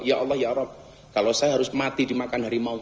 ya allah ya rab kalau saya harus mati dimakan harimau